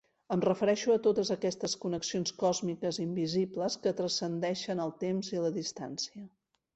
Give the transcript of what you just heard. Em refereixo a totes aquestes connexions còsmiques invisibles que transcendeixen el temps i la distància.